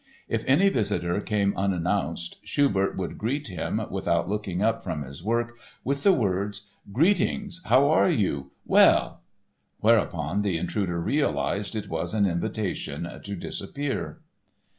If any visitor came unannounced Schubert would greet him, without looking up from his work, with the words: "Greetings! How are you? Well?"—whereupon the intruder realized it was an invitation to disappear.